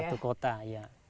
satu kota iya